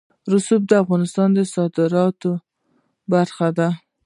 رسوب د افغانستان د صادراتو برخه ده.